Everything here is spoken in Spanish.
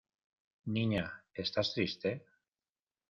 ¿ niña, estás triste?